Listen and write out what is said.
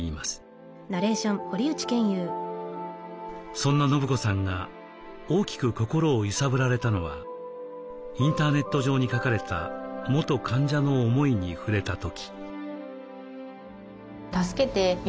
そんな伸子さんが大きく心を揺さぶられたのはインターネット上に書かれた元患者の思いに触れた時。